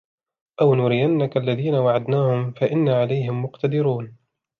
أو نرينك الذي وعدناهم فإنا عليهم مقتدرون